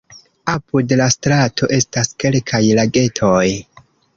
Apud la strato estas kelkaj lagetoj.